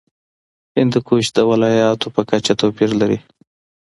هندوکش د ولایاتو په کچه توپیر لري.